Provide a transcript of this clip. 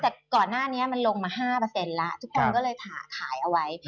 แต่ก่อนหน้านี้มันลงมา๕แล้วทุกคนก็เลยขายเอาไว้